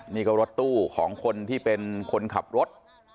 นี่ก็รถตู้ของคนที่เป็นคนขับรถ